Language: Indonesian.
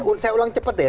oke saya ulang cepat ya